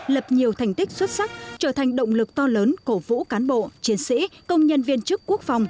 lập nhiều thành tích xuất sắc trở thành động lực to lớn cổ vũ cán bộ chiến sĩ công nhân viên chức quốc phòng